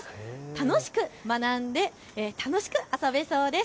楽しく学んで楽しく遊べそうです。